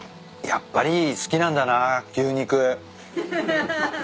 やっぱり好きなんだな牛肉。